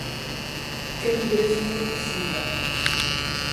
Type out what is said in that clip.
Caligrafia cursiva